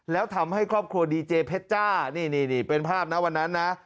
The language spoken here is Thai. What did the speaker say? แล้วทำให้ครอบครัวดีเจเพชรจ้านี่นี่เป็นภาพนะวันนั้นนะ